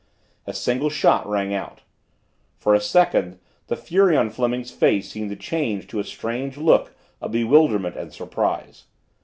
A single shot rang out. For a second, the fury on Fleming's face seemed to change to a strange look of bewilderment and surprise.